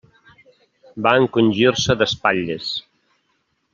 Va encongir-se d'espatlles.